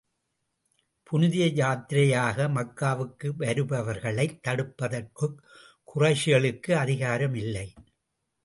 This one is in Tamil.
புனித யாத்திரையாக மக்காவுக்கு வருபவர்களைத் தடுப்பதற்குக் குறைஷிகளுக்கு அதிகாரம் இல்லை.